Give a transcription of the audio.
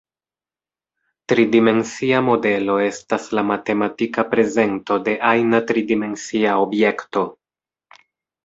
Tridimensia modelo estas la matematika prezento de ajna tridimensia objekto.